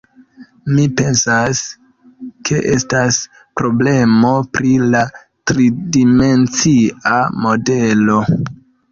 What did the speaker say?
Mi pensas, ke estas problemo pri la tridimencia modelo.